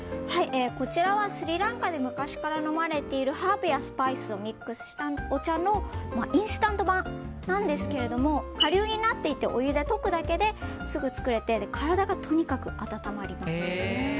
こちらはスリランカで昔から飲まれているハーブやスパイスをミックスしたお茶のインスタント版なんですが顆粒になっていてお湯で溶くだけですぐ作れて体がとにかく温まります。